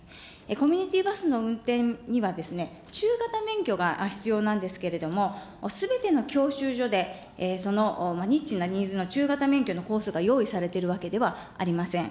コミュニティバスの運転にはですね、中型免許が必要なんですけれども、すべての教習所で、そのニッチなニーズの中型免許のコースが用意されているわけではありません。